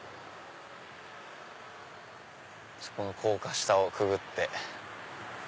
あそこの高架下をくぐって。